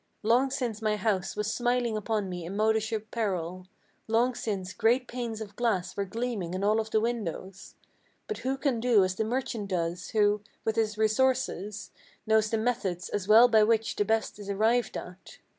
Long since my house was smiling upon me in modish apparel! Long since great panes of glass were gleaming in all of the windows! But who can do as the merchant does, who, with his resources, Knows the methods as well by which the best is arrived at?